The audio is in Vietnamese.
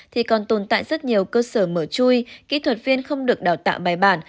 thì còn tồn tại rất nhiều cơ sở mở chui kỹ thuật viên không được đào tạo bài bản